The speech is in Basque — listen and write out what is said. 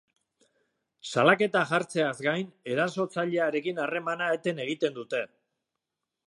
Salaketa jartzeaz gain, erasotzailearekin harremana eten egiten dute.